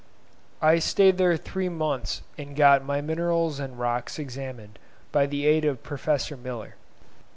I stayed here three months, and got my minerals and rocks examined by the aid of Professor Miller.